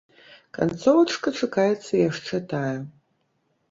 Канцовачка чакаецца яшчэ тая.